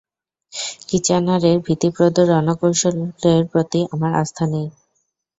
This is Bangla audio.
কিচ্যানারের ভীতিপ্রদ রণকৌশলের প্রতি আমার আস্থা নেই।